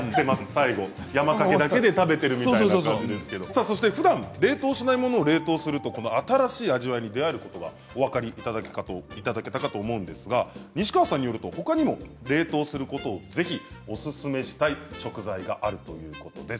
さあそしてふだん冷凍しないものを冷凍すると新しい味わいに出会えることがお分かりいただけたかと思うんですが西川さんによるとほかにも冷凍することを是非オススメしたい食材があるということです。